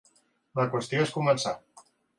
La qüestió és començar.